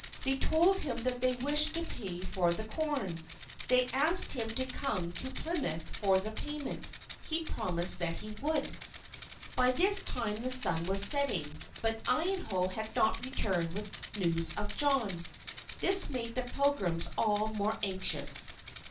They told him that they wished to pay for the corn. They asked him to come to Plymouth for the payment. He promised that he would. By this time the sun was setting, but Iyanough had not returned with news of John. This made the Pilgrims all the more anxious.